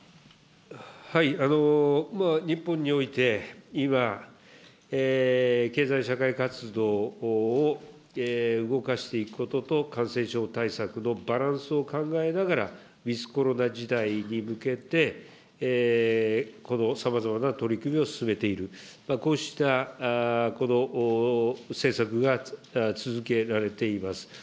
日本において、今、経済社会活動を動かしていくことと、感染症対策のバランスを考えながら、ウィズコロナ時代に向けて、このさまざまな取り組みを進めている、こうした、この政策が続けられています。